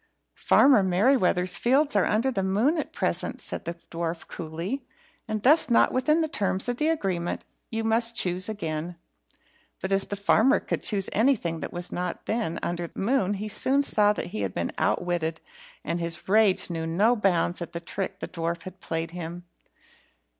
"Farmer Merryweather's fields are under the moon at present," said the dwarf, coolly, "and thus not within the terms of the agreement. You must choose again." But as the farmer could choose nothing that was not then under the moon, he soon saw that he had been outwitted, and his rage knew no bounds at the trick the dwarf had played him.